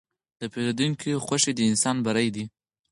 د پیرودونکي خوښي د انسان بری ده.